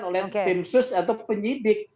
oleh tim sus atau penyidik